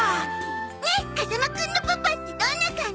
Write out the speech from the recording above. ねえ風間くんのパパってどんな感じ？